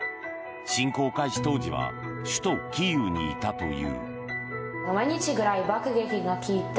侵攻開始当時は首都キーウにいたという。